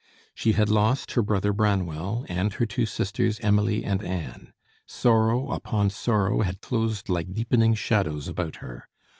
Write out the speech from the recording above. She had lost her brother Branwell and her two sisters Emily and Anne. Sorrow upon sorrow had closed like deepening shadows about her.